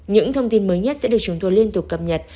những thông tin mới nhất sẽ được chúng tôi liên tục cập nhật